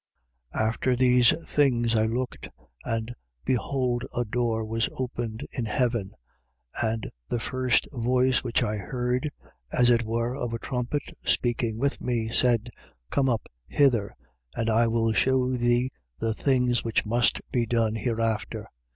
4:1. After these things I looked, and behold a door was opened in heaven, and the first voice which I heard, as it were, of a trumpet speaking with me, said: Come up hither, and I will shew thee the things which must be done hereafter.